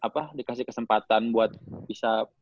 apa dikasih kesempatan buat bisa